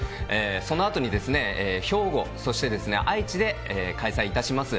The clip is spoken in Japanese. そのあとに、兵庫、そして愛知で開催いたします。